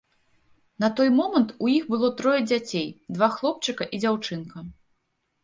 На той момант у іх было трое дзяцей, два хлопчыка і дзяўчынка.